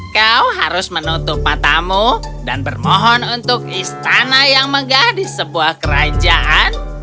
kau harus menutup matamu dan bermohon untuk istana yang megah di sebuah kerajaan